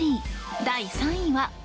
第３位は。